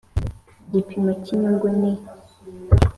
Igipimo cy inyungu ni